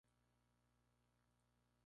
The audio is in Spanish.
Su capital es la ciudad de Locumba.